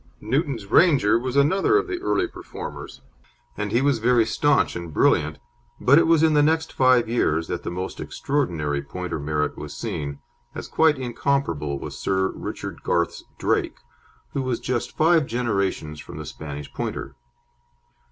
Newton's Ranger was another of the early performers, and he was very staunch and brilliant, but it was in the next five years that the most extraordinary Pointer merit was seen, as quite incomparable was Sir Richard Garth's Drake, who was just five generations from the Spanish Pointer.